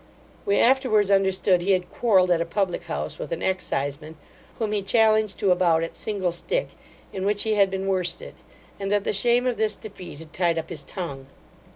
We afterwards understood he had quarrelled at a public house with an exciseman, whom he challenged to a bout at single stick, in which he had been worsted; and that the shame of this defeat had tied up his tongue.